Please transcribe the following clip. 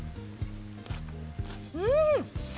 うん！